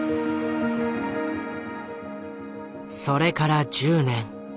それから１０年。